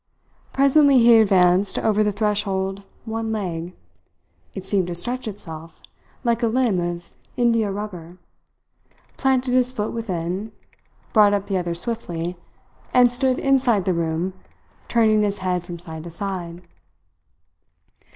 Presently he advanced over the threshold one leg it seemed to stretch itself, like a limb of india rubber planted his foot within, brought up the other swiftly, and stood inside the room, turning his head from side to side.